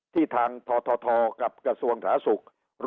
ที่ทางธธธกับกระทรวงฐาศุกร์